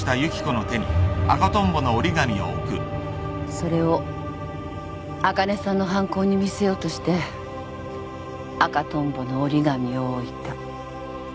それをあかねさんの犯行に見せようとして赤トンボの折り紙を置いた。